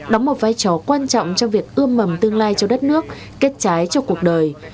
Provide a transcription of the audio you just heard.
đóng một vai trò quan trọng trong việc ươm mầm tương lai cho đất nước kết trái cho cuộc đời